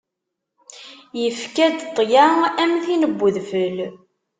Yefka-d ṭṭya, am tin n udfel.